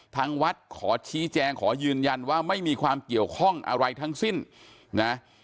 ทางวัดขอชี้แจงขอยืนยันว่าไม่มีความเกี่ยวข้องอะไรทั้งสิ้นนะ